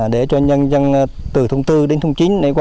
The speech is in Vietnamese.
để cho nhân dân từ thùng bốn đến thùng chín